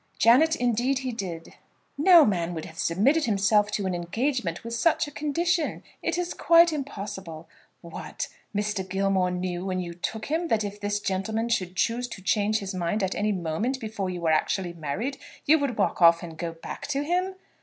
"Janet, indeed he did." "No man would have submitted himself to an engagement with such a condition. It is quite impossible. What! Mr. Gilmore knew when you took him that if this gentleman should choose to change his mind at any moment before you were actually married, you would walk off and go back to him!"